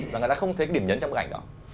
và người ta không thấy điểm nhấn trong bức ảnh đó